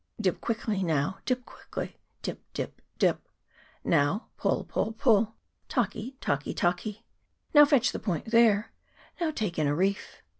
Dip quickly, now dip quickly, Dip, dip, dip. Now pull, pull, pull, Taki, taki, taki ; Now fetch the point there ; Now take in a reef.